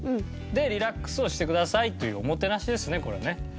でリラックスをしてくださいというおもてなしですねこれね。